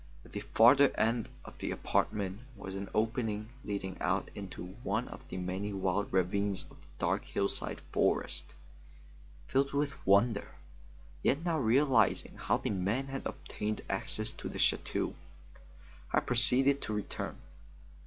At the farther end of the apartment was an opening leading out into one of the many wild ravines of the dark hillside forest. Filled with wonder, yet now realizing how the man had obtained access to the chateau, I proceeded to return.